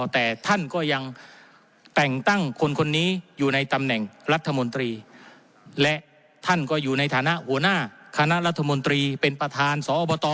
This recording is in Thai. แต่ท่านก็ยังแต่งตั้งคนคนนี้อยู่ในตำแหน่งรัฐมนตรีและท่านก็อยู่ในฐานะหัวหน้าคณะรัฐมนตรีเป็นประธานสอบต